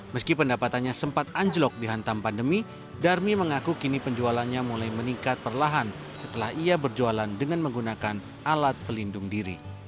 meski pendapatannya sempat anjlok dihantam pandemi darmi mengaku kini penjualannya mulai meningkat perlahan setelah ia berjualan dengan menggunakan alat pelindung diri